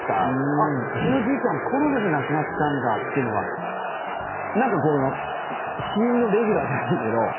あっ、うちのじいちゃんコロナで亡くなったんだってのがなんかこう死因のレギュラーじゃないけど。